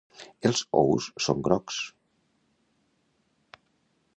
Els ous són grocs.